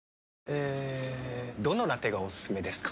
えどのラテがおすすめですか？